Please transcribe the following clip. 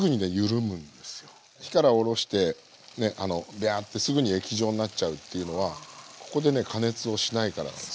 火からおろしてねビャーッてすぐに液状になっちゃうっていうのはここでね加熱をしないからなんです。